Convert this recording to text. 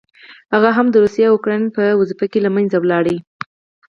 هغه هم د روسیې او اوکراین په ډنډ کې له منځه لاړه.